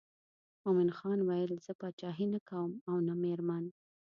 مومن خان ویل زه پاچهي نه کوم او نه مېرمن.